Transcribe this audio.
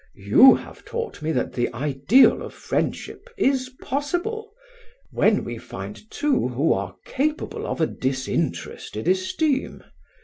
You have taught me that the ideal of friendship is possible when we find two who are capable of a disinterested esteem.